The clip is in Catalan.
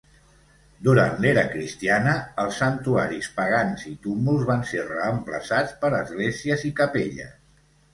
Durant l'era cristiana, els santuaris pagans i túmuls van ser reemplaçats per esglésies i capelles.